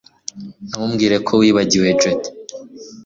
Ntumbwire ko wibagiwe jody